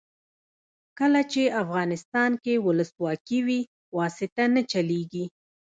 کله چې افغانستان کې ولسواکي وي واسطه نه چلیږي.